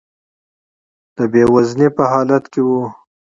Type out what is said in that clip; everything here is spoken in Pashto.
د بې وزنۍ په حالت کې وي.